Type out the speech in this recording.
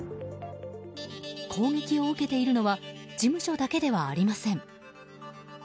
攻撃を受けているのは事務所だけではありません。